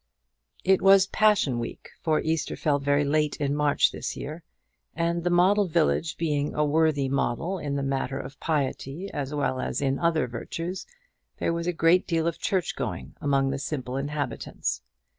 It was Passion week, for Easter fell very late in March this year, and the model village being a worthy model in the matter of piety as well as in all other virtues, there was a great deal of church going among the simple inhabitants.